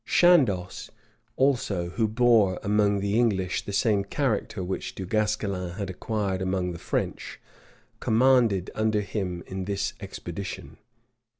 Chandos, also, who bore among the English the same character which Du Guesclin had acquired among the French, commanded under him in this expedition.